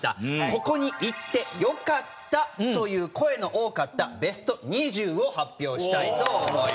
ここに行ってよかったという声の多かったベスト２０を発表したいと思います。